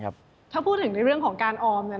ถ้าพูดถึงเรื่องของการออม